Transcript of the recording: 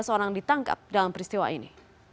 tiga belas orang ditangkap dalam peristiwa ini